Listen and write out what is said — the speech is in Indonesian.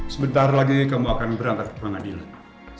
sebentar lagi kamu akan berangkat ke pengadilan